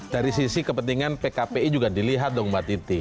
dari sisi kepentingan pkpi juga dilihat dong mbak titi